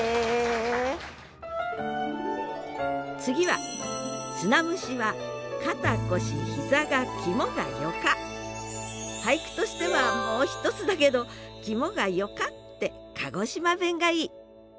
次は俳句としてはもうひとつだけど「きもがよか」って鹿児島弁がいい！